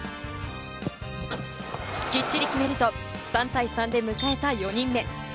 きっちり決めると３対３で迎えた４人目。